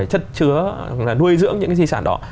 chất chứa nuôi dưỡng những cái di sản đó